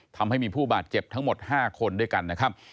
ทำให้มีผู้บาดเจ็บทั้งหมด๕คนด้วยกันนะครับ